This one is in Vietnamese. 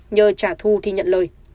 nhờ trả thu thì nhận lời